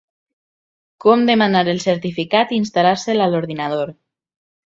Com demanar el certificat i instal·lar-se'l a l'ordinador.